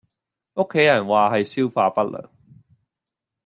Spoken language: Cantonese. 屋企人話係消化不良